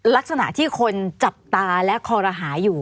ลักษณะที่คนจับตาและคอรหาอยู่